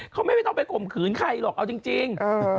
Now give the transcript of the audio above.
เขาไม่ต้องไปข่มขืนใครหรอกเอาจริง